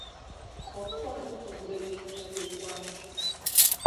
Okukola kutumbula eby'enfuna by'eggwanga.